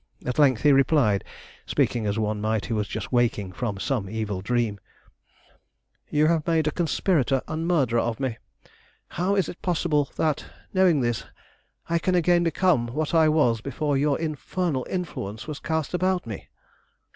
At length he replied, speaking as one might who was just waking from some evil dream "You have made a conspirator and a murderer of me. How is it possible that, knowing this, I can again become what I was before your infernal influence was cast about me?"